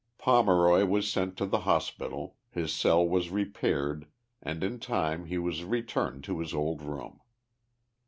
Pomeroy was sent to the hospital, his cell was repaired and in time he was returned to his old room.